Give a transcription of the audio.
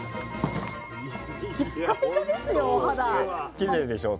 きれいでしょう？